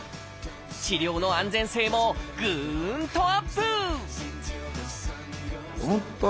治療の安全性もぐんとアップ！